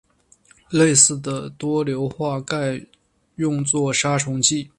类似的多硫化钙用作杀虫剂。